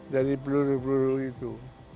dari peluru peluru itu